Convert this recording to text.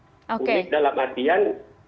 unik dalam artian